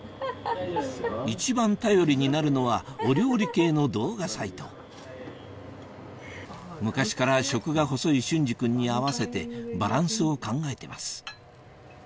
一番頼りになるのはお料理系の動画サイト昔から食が細い隼司君に合わせてバランスを考えてます